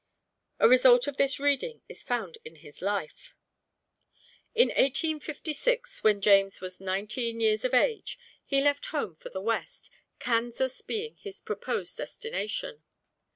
A result of this reading is found in his life. In 1856, when James was nineteen years of age, he left home for the west, Kansas being his proposed destination.